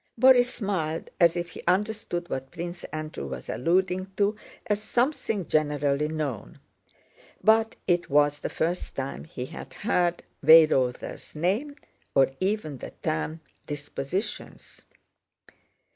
Borís smiled, as if he understood what Prince Andrew was alluding to as something generally known. But it was the first time he had heard Weyrother's name, or even the term "dispositions."